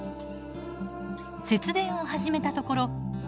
節電を始めたところ月